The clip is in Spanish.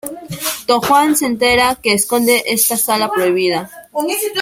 Don Juan se entera que esconde esta sala prohibida.